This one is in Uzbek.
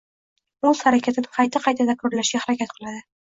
o‘z harakatini qayta-qayta takrorlashga harakat qiladi.